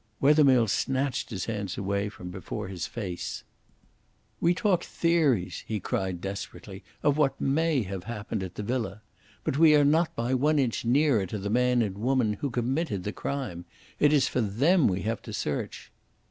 Wethermill snatched his hands away from before his face. "We talk theories," he cried desperately, "of what may have happened at the villa. But we are not by one inch nearer to the man and woman who committed the crime. It is for them we have to search."